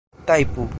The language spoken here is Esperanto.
tajpu